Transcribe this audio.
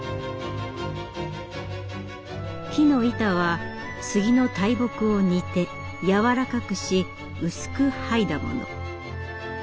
木の板は杉の大木を煮てやわらかくし薄く剥いだもの。